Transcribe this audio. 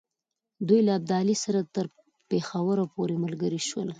دوی له ابدالي سره تر پېښور پوري ملګري شول.